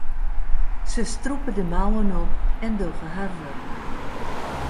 Se strûpe de mouwen op en dogge har wurk.